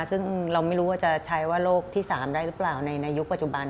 ซึ่งเราไม่รู้ว่าจะใช้ว่าโลกที่๓ได้หรือเปล่าในยุคปัจจุบัน